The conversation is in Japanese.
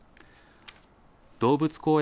動物公園